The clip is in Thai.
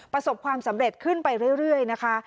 ประสบความสำเร็จขึ้นไปเรื่อยนะคะ